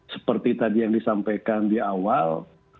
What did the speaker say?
seperti tadi yang disampaikan di awal